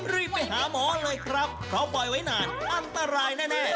รีบไปหาหมอเลยครับเพราะปล่อยไว้นานอันตรายแน่